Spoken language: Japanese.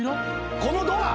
このドア！